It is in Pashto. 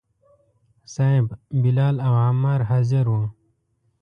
صیب، بلال او عمار حاضر وو.